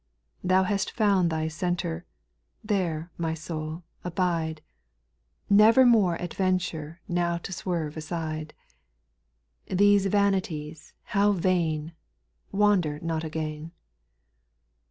3. Thou hast found thy centre, There, my soul, abide, SPIRITUAL SONGS. 411 Never more adventure Now to swerve aside. These vanities how vain I Wander not again.